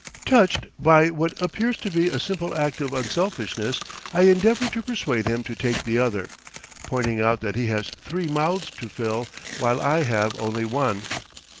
Touched by what appears to be a simple act of unselfishness, I endeavor to persuade him to take the other, pointing out that he has three mouths to fill while I have only one.